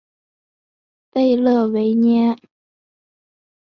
贝勒维涅。